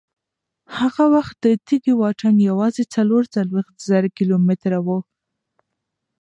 هغه وخت د تېږې واټن یوازې څلور څلوېښت زره کیلومتره و.